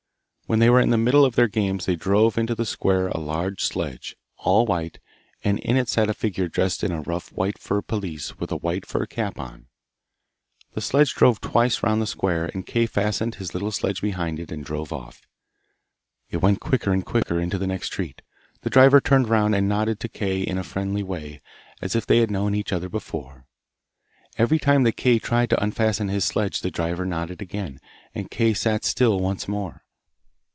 When they were in the middle of their games there drove into the square a large sledge, all white, and in it sat a figure dressed in a rough white fur pelisse with a white fur cap on. The sledge drove twice round the square, and Kay fastened his little sledge behind it and drove off. It went quicker and quicker into the next street. The driver turned round, and nodded to Kay ina friendly way as if they had known each other before. Every time that Kay tried to unfasten his sledge the driver nodded again, and Kay sat still once more.